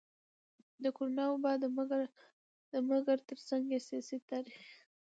د کرونا وبا ده مګر ترڅنګ يې سياسي, تاريخي,